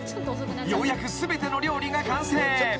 ［ようやく全ての料理が完成］